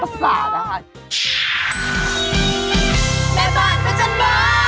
อุ๊ยเราเยอะมากเลยนะครับ